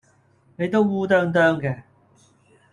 你都烏啄啄嘅